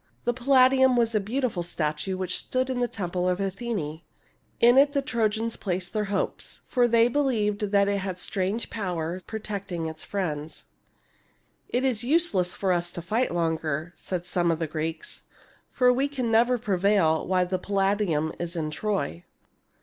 The Palladium was a beautiful statue which stood in the temple of Athene. In it the Trojans placed their hopes, for they believed that it had the strange power of protecting its friends. " It is useless for us to fight longer," said some of the Greeks; "for we can never prevail while the Palladium is in Troy."